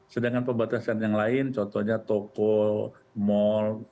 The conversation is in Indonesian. sedangkan pembatasan yang lain contohnya toko mal